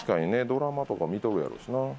ドラマとか見とるやろうしな。